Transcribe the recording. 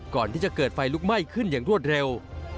ก่อนที่จะเกิดไฟลุกไหม้ขึ้นอย่างรวดเร็ว